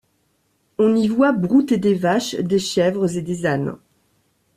On y voit brouter des vaches, des chèvres et des ânes.